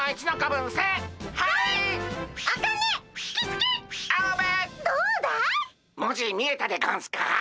文字見えたでゴンスか？